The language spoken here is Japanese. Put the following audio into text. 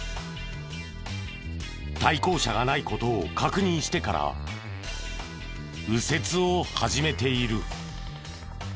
対向車がない事を確認してから右折を始めている。